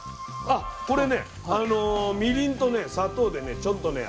あこれねみりんとね砂糖でねちょっとね